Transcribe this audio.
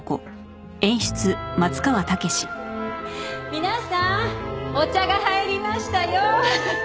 皆さんお茶が入りましたよ。